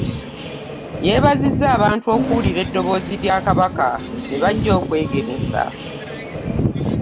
Yeebazizza abantu okuwulira eddoboozi ky'obwakabaka ne bajja okwegemesa